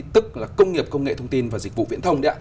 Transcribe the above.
tức là công nghiệp công nghệ thông tin và dịch vụ viễn thông